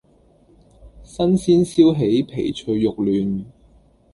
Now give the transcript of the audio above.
新鮮燒起皮脆肉嫩